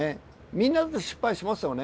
みんなだって失敗しますよね。